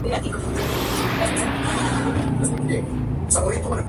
La organización tiene cuatro centros en España.